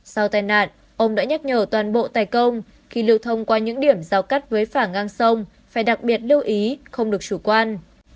sau tai nạn ông đã nhắc nhở toàn bộ tài công khi lưu thông qua những điểm giao cắt với phả ngang sông phải đặc biệt lưu ý không được chủ quan